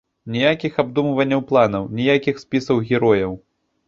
Ніякіх абдумванняў планаў, ніякіх спісаў герояў.